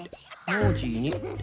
ノージーに？